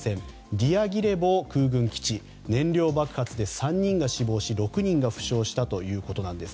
ディアギレボ空軍基地で燃料爆発で３人が死亡し６人が負傷したということです。